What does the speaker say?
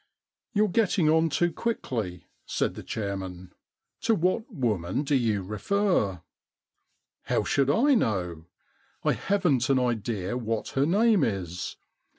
You*re getting on too quickly,' said the chairman. * To what woman do you refer ?'* How should I know ? I haven't an idea what her name is.